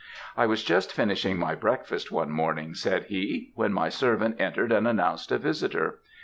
"I was just finishing my breakfast one morning," said he, "when my servant entered and announced a visitor.